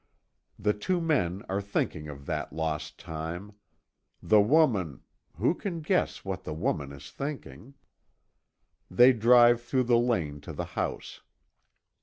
The two men are thinking of that lost time. The woman who can guess what the woman is thinking? They drive through the lane to the house.